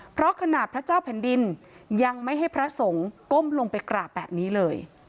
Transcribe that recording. เพราะขนาดพระเจ้าแผ่นดินยังไม่ให้พระสงฆ์ก้มลงไปกราบแบบนี้เลย